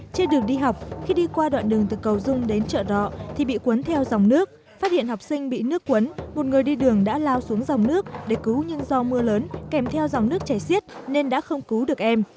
trên đường đi học khi đi qua đoạn đường từ cầu dung đến chợ rọ thì bị cuốn theo dòng nước phát hiện học sinh bị nước cuốn một người đi đường đã lao xuống dòng nước để cứu nhưng do mưa lớn kèm theo dòng nước chảy xiết nên đã không cứu được em